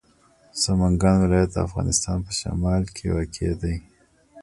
سمنګان ولایت د افغانستان په شمال کې واقع دی.